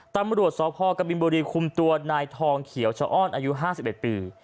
ตำรวจสพกบินบุรีคุมตัวนายทองเขียวชะอ้อนอายุ๕๑ปี